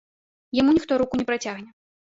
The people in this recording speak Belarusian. Яму ніхто руку не працягне.